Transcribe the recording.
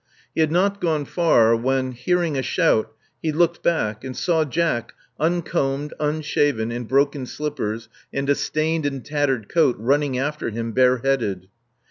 He had not gone far when, hearing a shout, he looked back, and saw Jack, uncombed, unshaven, in broken slippers, and a stained and tattered coat, running after him, bareheaded.